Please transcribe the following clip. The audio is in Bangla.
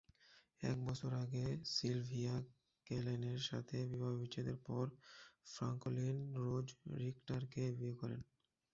এক বছর আগে সিলভিয়া ক্যালেনের সাথে বিবাহবিচ্ছেদের পর ফ্রাঙ্কলিন রোজ রিখটারকে বিয়ে করেন।